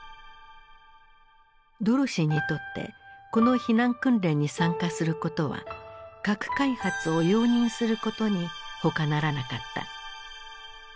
ドロシーにとってこの避難訓練に参加することは核開発を容認することにほかならなかった。